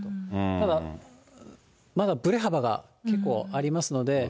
ただ、まだぶれ幅が結構ありますので。